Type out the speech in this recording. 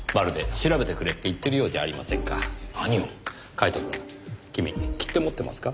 カイトくん君切手持ってますか？